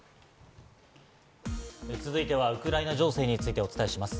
続いてはウクライナ情勢についてお伝えします。